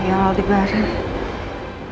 si buial aldi baran